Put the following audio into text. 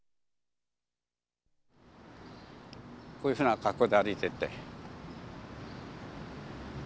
こういうふうな格好で歩いてって。